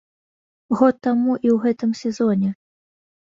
Год таму і ў гэтым сезоне.